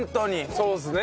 そうですね。